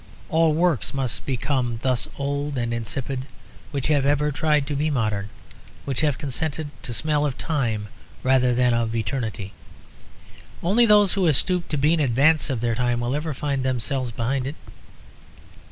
All works must become thus old and insipid which have ever tried to be "modern," which have consented to smell of time rather than of eternity. Only those who have stooped to be in advance of their time will ever find themselves behind it.